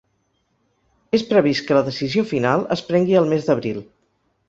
És previst que la decisió final es prengui el mes d’abril.